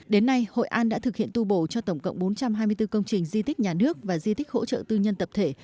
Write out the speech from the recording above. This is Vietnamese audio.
đến nay hội an đã thực hiện tu bổ cho tổng cộng bốn trăm hai mươi bốn công trình di tích nhà nước và di tích hỗ trợ tư nhân tập thể